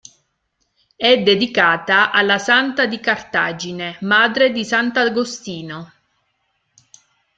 È dedicata alla santa di Cartagine, madre di sant'Agostino.